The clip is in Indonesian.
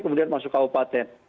kemudian masuk kabupaten